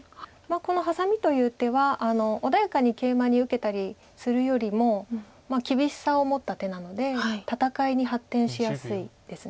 このハサミという手は穏やかにケイマに受けたりするよりも厳しさを持った手なので戦いに発展しやすいです。